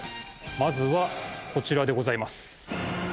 まずはこちらでございます。